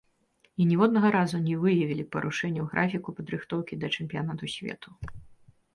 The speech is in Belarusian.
І ніводнага разу не выявілі парушэнняў графіку падрыхтоўкі да чэмпіянату свету.